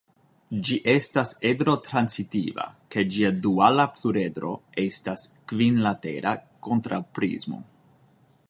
Ĝi estas edro-transitiva kaj ĝia duala pluredro estas kvinlatera kontraŭprismo.